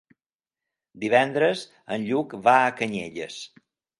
Divendres en Lluc va a Canyelles.